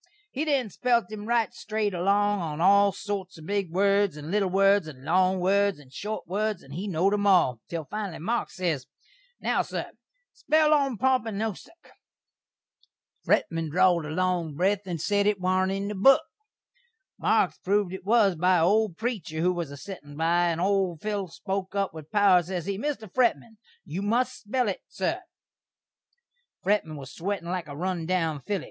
He then spelt him right strate along on all sorts of big words, and little words, and long words, and short words, and he knowd 'em all, til finally Marks ses, "Now, sur, spell 'Ompompynusuk.'" Fretman drawd a long breth and sed it warn't in the book. Marks proved it was by a old preecher who was a settin' by, and old Phil spoke up with power, ses he, "Mr. Fretman, you must spell it, sur." Fretman was a swettin' like a run down filly.